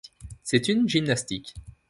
C’est une gymnastique.